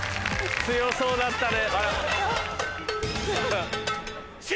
強そうだったね。